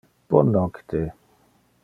Bon nocte